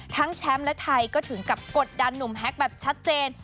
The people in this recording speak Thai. แชมป์และไทยก็ถึงกับกดดันหนุ่มแฮ็กแบบชัดเจน